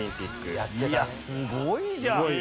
いやすごいじゃん！